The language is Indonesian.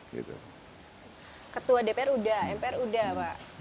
ketua dpr udah mpr udah pak